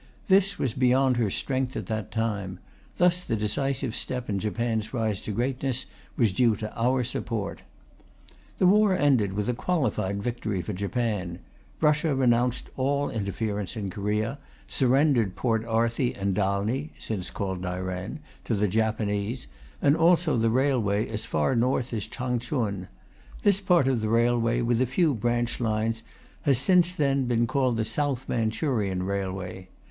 This was beyond her strength at that time. Thus the decisive step in Japan's rise to greatness was due to our support. The war ended with a qualified victory for Japan. Russia renounced all interference in Korea, surrendered Port Arthur and Dalny (since called Dairen) to the Japanese, and also the railway as far north as Changchun. This part of the railway, with a few branch lines, has since then been called the South Manchurian Railway.